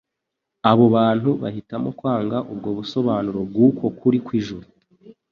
Abo bantu bahitamo kwanga ubwo busobanuro bw'uko kuri kw'ijuru.